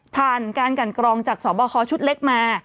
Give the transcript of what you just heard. ผ่านการกันกรองจากสอบคอชุดเล็กมา